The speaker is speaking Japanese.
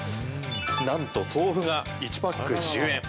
なんと豆腐が１パック１０円。